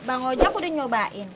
bang ojek udah nyobain